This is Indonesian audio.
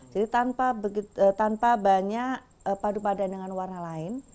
jadi tanpa banyak padu padan dengan warna lain